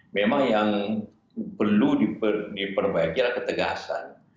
memang yang perlu diperbaiki adalah ketegasan